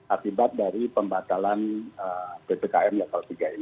akibat dari pembatalan ppkm level tiga ini